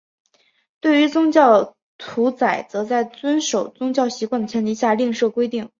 对于宗教屠宰则在遵守宗教习惯的前提下另设规定。